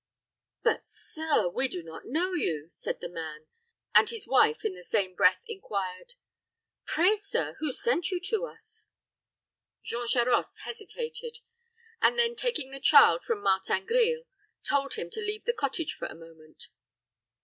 "But, sir, we do not know you," said the man; and his wife in the same breath inquired, "Pray, sir, who sent you to us?" Jean Charost hesitated; and then taking the child from Martin Grille, told him to leave the cottage for a moment.